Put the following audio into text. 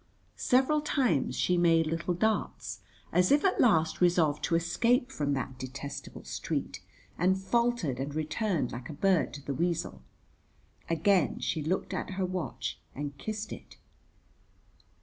Several times she made little darts, as if at last resolved to escape from that detestable street, and faltered and returned like a bird to the weasel. Again she looked at her watch and kissed it.